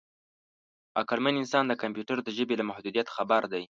عقلمن انسان د کمپیوټر د ژبې له محدودیت خبر دی.